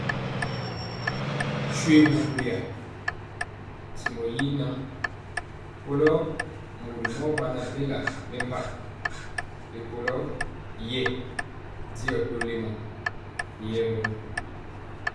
Shoégu buliya, ntimɔ yi ŋan, kɔlo mori mɔ bɛna mɛmpah ri kula yɛ diɔ tɔlemɔ yɛɛ gɔ.